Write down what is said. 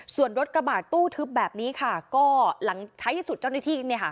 ส่วนรถกระบาดตู้ทึบแบบนี้ค่ะก็หลังท้ายที่สุดเจ้าหน้าที่เนี่ยค่ะ